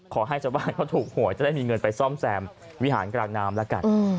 ขอให้ชาวบ้านเขาถูกหวยจะได้มีเงินไปซ่อมแซมวิหารกลางน้ำแล้วกัน